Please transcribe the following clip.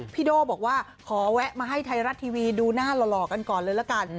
โด่บอกว่าขอแวะมาให้ไทยรัฐทีวีดูหน้าหล่อกันก่อนเลยละกัน